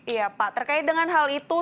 iya pak terkait dengan hal itu